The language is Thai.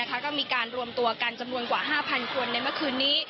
ก็มีการรวมตัวกันจำนวนกว่า๕๐๐คนในเมื่อคืนนี้